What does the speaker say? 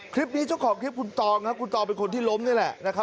คลิปนี้เช่าของคลิปคุณตองคุณตองเป็นคนที่ล้มนี่แหละ